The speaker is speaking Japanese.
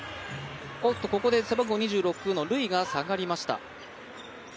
ここで、背番号２６のルイが下がりました。